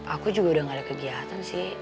aku juga udah gak ada kegiatan sih